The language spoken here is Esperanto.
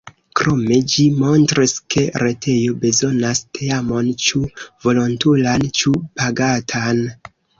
Krome ĝi montris, ke retejo bezonas teamon, ĉu volontulan ĉu pagatan.